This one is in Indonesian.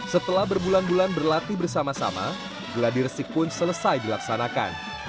setelah berbulan bulan berlatih bersama sama gladiresik pun selesai dilaksanakan